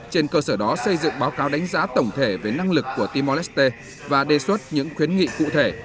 trên cơ sở đó xây dựng báo cáo đánh giá tổng thể về năng lực của timor leste và đề xuất những khuyến nghị cụ thể